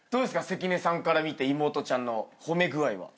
関根さんから見て妹ちゃんの褒め具合は。